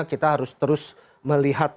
kita harus terus melihat